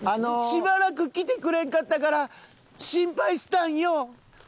しばらく来てくれんかったから心配したんよ。